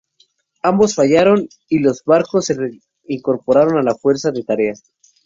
Ambos fallaron, y los barcos se reincorporaron a la fuerza de tarea.